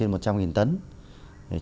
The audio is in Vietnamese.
hiện tại trong những năm qua